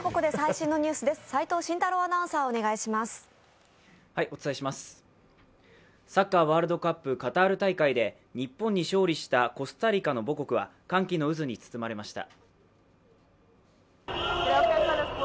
サッカーワールドカップカタール大会で、日本に勝利したコスタリカの母国は歓喜の渦に包まれました。